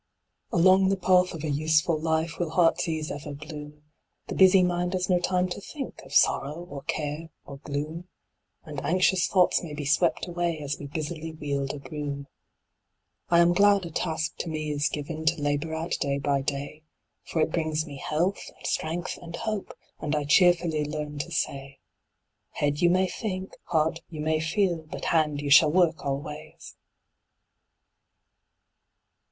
Along the path of a useful life Will heart's ease ever bloom; The busy mind has no time to think Of sorrow, or care, or gloom; And anxious thoughts may be swept away As we busily wield a broom. I am glad a task to me is given To labor at day by day; For it brings me health, and strength, and hope, And I cheerfully learn to say 'Head, you may think; heart, you may feel; But hand, you shall work always!'